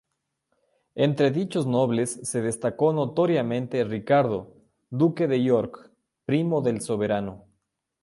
Entre dichos nobles se destacó notoriamente Ricardo, duque de York, primo del soberano.